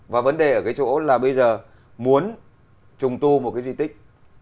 và vấn đề ở cái chỗ là bây giờ muốn trùng tu một cái di tích